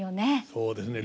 そうですね。